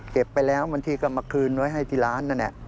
เก็บไปแล้วบางทีก็มาคืนไว้ให้ที่ร้านนั่น